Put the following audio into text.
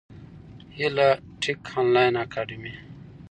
هیله ټېک انلاین اکاډمي